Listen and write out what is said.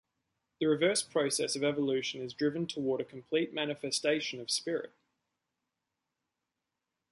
The reverse process of evolution is driven toward a complete manifestation of spirit.